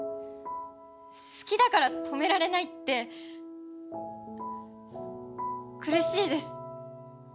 好きだから止められないって苦しいです。